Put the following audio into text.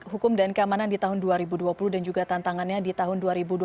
hukum dan keamanan di tahun dua ribu dua puluh dan juga tantangannya di tahun dua ribu dua puluh